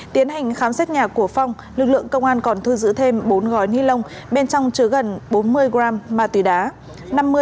tiến hành khám xét nhà của phong lực lượng công an còn thư giữ thêm bốn gói nylon bên trong chứa gần bốn mươi gram ma túy đá